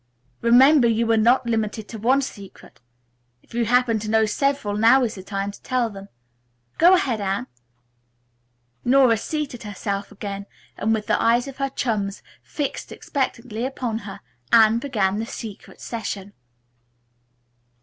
Remember, you are not limited to one secret. If you happen to know several, now is the time to tell them. Go ahead, Anne." Nora seated herself again and with the eyes of her chums fixed expectantly upon her, Anne began the secret session.